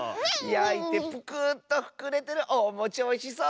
やいてプクーッとふくれてるおもちおいしそう！